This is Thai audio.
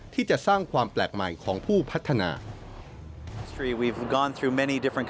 ที่จะสร้างความแปลกใหม่ของผู้พัฒนา